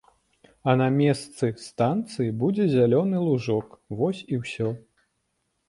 А на месцы станцыі будзе зялёны лужок, вось і ўсё.